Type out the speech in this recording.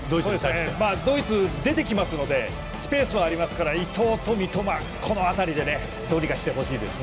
ドイツ出てきますのでスペースがありますので伊東と三笘でどうにかしてほしいです。